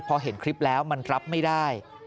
พอเห็นคลิปแล้วมันรับไม่ได้